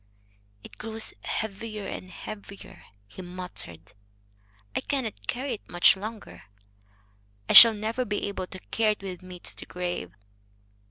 "It grows heavier and heavier," he muttered. "I cannot carry it much longer. I shall never be able to carry it with me to the grave."